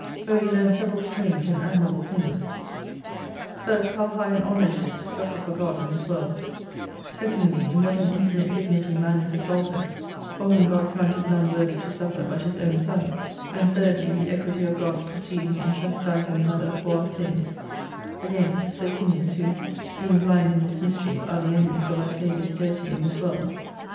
Where we learn several strange and admirable things : First, how high an honour it is to suffer for God in this world : Secondly, in what an infinite dignity man is exalted for whom God counted none worthy to suffer but His own Son : And thirdly the equity of God's proceeding in chastising another for our sins : (against the Socinians who, being blind in this mystery, are the enemies of our Saviour's Deity in this world.)